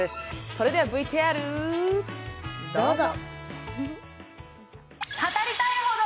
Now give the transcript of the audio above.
それではＶＴＲどうぞ。